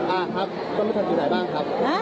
อ่าครับท่านมาจากจุดไหนบ้างครับ